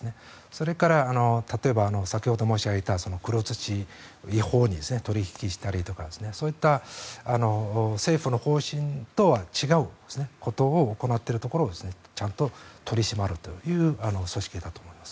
それから例えば先ほど申し上げた黒土を、違法に取引したりとか、そういった政府の方針とは違うことを行っているところをちゃんと取り締まるという組織だと思います。